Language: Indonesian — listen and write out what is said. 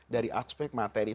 dari aspek materi